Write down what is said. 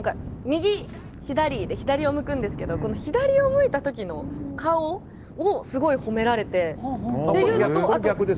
右、左で左を向くんですけど左を向いた時の顔をすごい褒められてっていうのと。